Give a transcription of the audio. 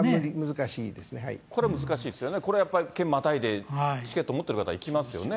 これは難しいですよね、これ、県をまたいでチケット持ってる方、行きますよね。